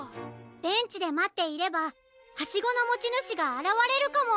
ベンチでまっていればハシゴのもちぬしがあらわれるかも！